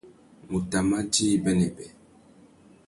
Ngu tà mà djï bênêbê.